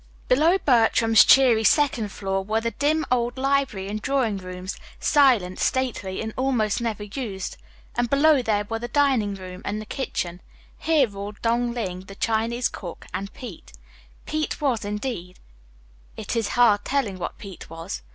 Below Bertram's cheery second floor were the dim old library and drawing rooms, silent, stately, and almost never used; and below them were the dining room and the kitchen. Here ruled Dong Ling, the Chinese cook, and Pete. Pete was indeed, it is hard telling what Pete was.